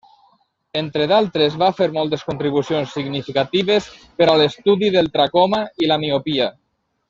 Entre d'altres va fer moltes contribucions significatives per a l'estudi del tracoma i la miopia.